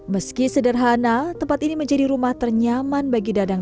meski sederhana tempat ini menjadi rumah ternyaman bagi dadang